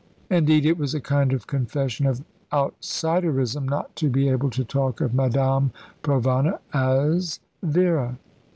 Indeed, it was a kind of confession of outsiderism not to be able to talk of Madame Provana as "Vera."